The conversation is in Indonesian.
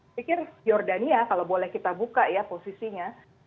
saya pikir jordania kalau boleh kita buka ya posisinya